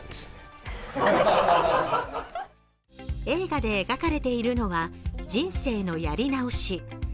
映画で描かれているのは、人生のやり直し。